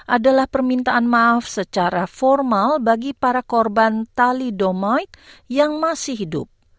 adalah permintaan maaf secara formal bagi para korban tali domic yang masih hidup